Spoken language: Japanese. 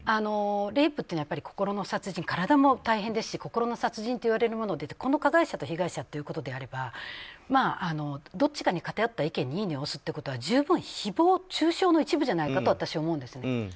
レイプというのは体も大変ですし心の殺人といわれるものでこの加害者と被害者ということであればどっちかに偏った意見にいいねを押すというのは十分、誹謗中傷の一部じゃないかと私は思うんですね。